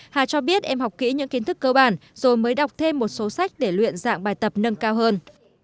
hà cho biết em học kỹ những kiến thức cơ bản rồi mới đọc thêm một số sách để luyện dạng bài tập nâng cao hơn